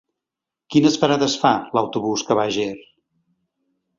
Quines parades fa l'autobús que va a Ger?